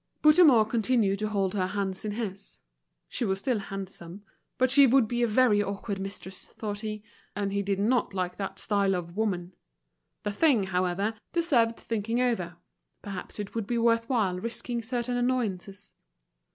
Bouthemont continued to hold her hands in his. She was still handsome. But she would be a very awkward mistress, thought he, and he did not like that style of woman. The thing, however, deserved thinking over; perhaps it would be worthwhile risking certain annoyances.